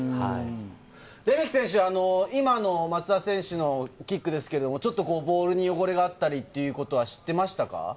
レメキ選手、今の松田選手のキックですけれども、ボールに汚れがあったりというのは知っていましたか？